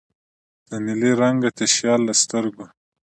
د نیلي رنګه تشیال له سترګو